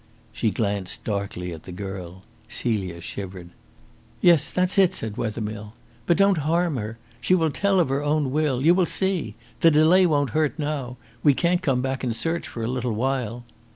She glanced darkly at the girl. Celia shivered. "Yes, that's it," said Wethermill. "But don't harm her. She will tell of her own will. You will see. The delay won't hurt now. We can't come back and search for a little while."